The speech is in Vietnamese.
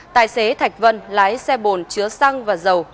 tài xế thạch vân lái xe bồn chứa xăng và dầu